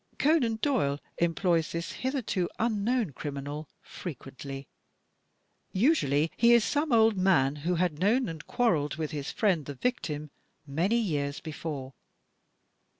Conan Doyle employs this hitherto unknown criminal frequently. Usually he is some old man who had known and quarreled with his old friend, the victim, many years before.